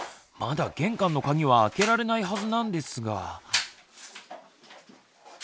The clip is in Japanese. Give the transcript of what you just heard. まだ玄関のカギは開けられないはずなんですが。